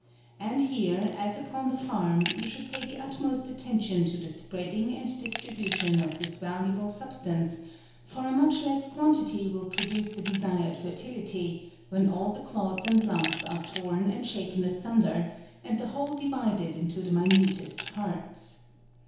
And here, as upon the farm, you should pay the utmost attention to the spreading and distri bution of this valuable substance, for a much FEBRUARY. less quantity will produce the desired fertili ty, when all the clods and lumps are lorn and shaken asunder, and the whole divided into the minutest parts.